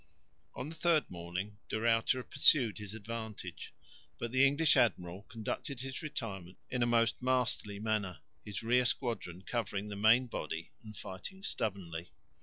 On the third morning De Ruyter pursued his advantage, but the English admiral conducted his retirement in a most masterly manner, his rear squadron covering the main body and fighting stubbornly.